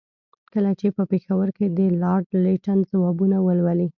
کله چې په پېښور کې د لارډ لیټن ځوابونه ولولي.